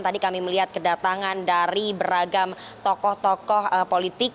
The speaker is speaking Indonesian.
tadi kami melihat kedatangan dari beragam tokoh tokoh politik